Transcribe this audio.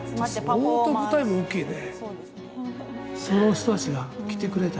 相当舞台も大きいね。